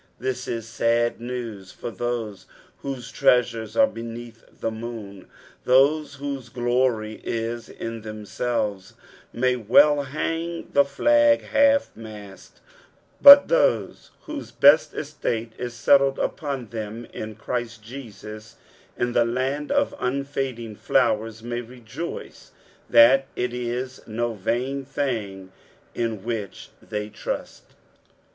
This is sad news for those whose treafares are beneath the moon ; those whose glorying is in tbeinselves may veil hang the flag half mast ; but those whose best estate is settled upon them in Christ Jesus in the land of unfading flowers, may rejuice that it is no vain thing in which they trust.